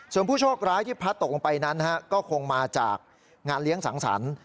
ส่วนผู้โชคร้ายที่พัดตกลงไปนั้นก็คงมาจากงานเลี้ยงสังสรรค์